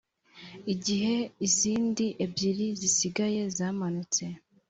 igihe izindi ebyiri zisigaye zamanutse